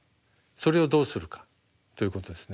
それをどうするかということですね。